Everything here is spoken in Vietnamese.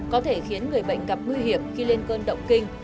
có thể khiến người bệnh gặp nguy hiểm khi lên cơn động kinh